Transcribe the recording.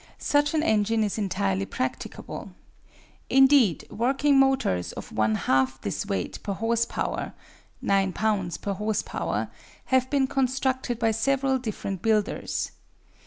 Such an engine is entirely practicable. Indeed, working motors of one half this weight per horse power (9 lbs. per horse power) have been constructed by several different builders.